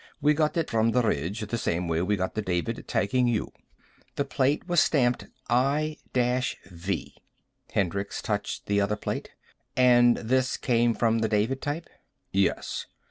We got it from the ridge, the same way we got the David tagging you." The plate was stamped: I V. Hendricks touched the other plate. "And this came from the David type?" "Yes."